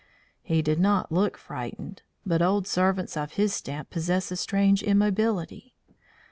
He did not look frightened; but old servants of his stamp possess a strange immobility.